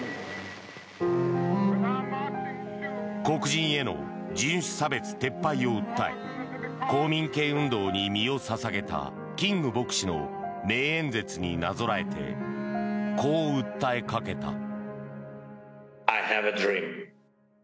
黒人への人種差別撤廃を訴え公民権運動に身を捧げたキング牧師の名演説になぞらえてこう訴えかけた。